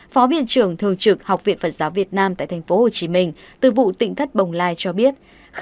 phó viện trưởng thường trực học viện phật giáo việt nam tại tp hcm từ vụ tỉnh thất bồng lai cho biết